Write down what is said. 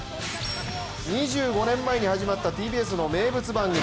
２５年前に始まったＴＢＳの名物番組。